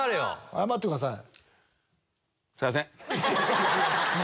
謝ってください。